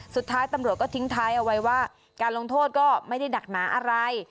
สุดท้ายตำรวจก็ทิ้งท้ายเอาไว้ว่าการลงโทษก็ไม่ได้หนักหนาอะไร